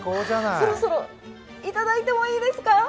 そろそろいただいてもいいですか？